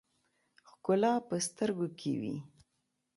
ښکلا په سترګو کښې وي